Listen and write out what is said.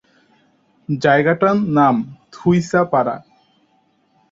জায়গাটার নাম থুইসাপাড়া।